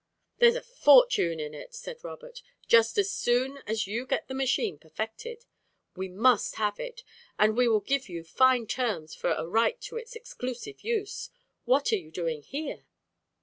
"There is a fortune in it," said Robert, "just as soon as you get the machine perfected! We must have it, and we will give you fine terms for a right to its exclusive use. What are you doing here?"